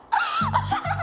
アハハハ。